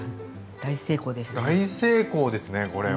大成功ですねこれは。